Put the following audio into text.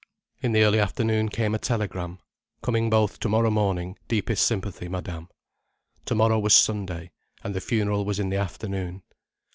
In the early afternoon came a telegram: Coming both tomorrow morning deepest sympathy Madame. Tomorrow was Sunday: and the funeral was in the afternoon.